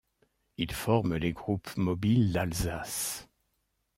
Ils forment les Groupes mobiles d’Alsace.